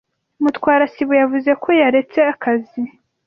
Mutwara sibo yavuze ko yaretse akazi.